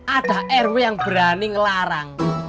ada rw yang berani ngelarang